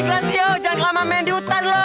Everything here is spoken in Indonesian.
glaxio jangan kelamaan main di hutan lho